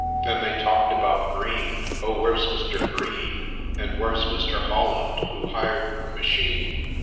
' Then they talk'd about Green —' Oh ! where 's Mister Green ? And where 's Mr. Hollond who hired the machine